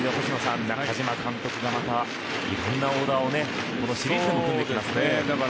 中嶋監督がまたいろんなオーダーをこのシリーズでも組んできますね。